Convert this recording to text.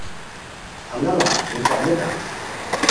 الاوا؟ ریکو الیتام